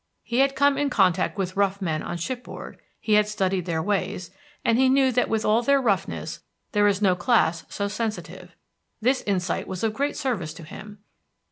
He had come in contact with rough men on shipboard; he had studied their ways, and he knew that with all their roughness there is no class so sensitive. This insight was of great service to him.